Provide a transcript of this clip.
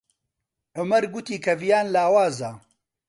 عومەر گوتی کە ڤیان لاوازە.